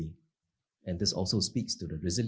dan ini juga membahas keberanian